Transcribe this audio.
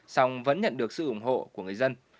song vẫn nhận được sự ủng hộ của người dân